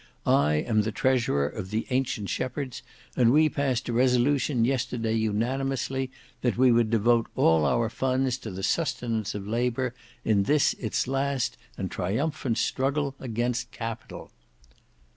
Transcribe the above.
I am treasurer of the Ancient Shepherds, and we passed a resolution yesterday unanimously, that we would devote all our funds to the sustenance of Labour in this its last and triumphant struggle against Capital."